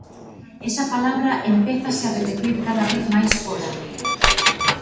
Esa palabra empézase a repetir cada vez máis fóra.